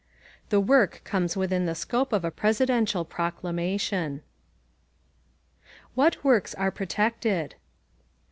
+ The work comes within the scope of a Presidential proclamation. WHAT WORKS ARE PROTECTED?